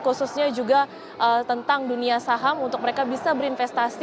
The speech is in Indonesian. khususnya juga tentang dunia saham untuk mereka bisa berinvestasi